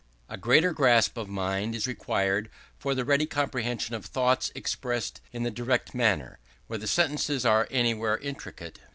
A greater grasp of mind is required for the ready comprehension of thoughts expressed in the direct manner, where the sentences are anywise intricate.